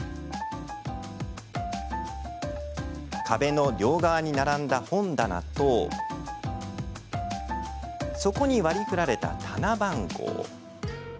壁の両側に並んだ本棚とそこに割り振られた棚番号。